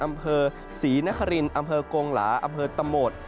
อำเภอศรีนครินอำเภอกงหลาอำเภอตะโหมด